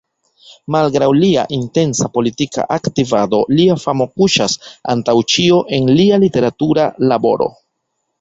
Malgraŭ lia intensa politika aktivado, lia famo kuŝas, antaŭ ĉio, en lia literatura laboro.